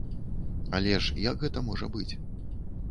Але ж як гэта можа быць?